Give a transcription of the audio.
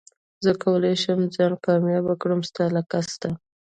زه کولي شم ځان کامياب کړم ستا له قصده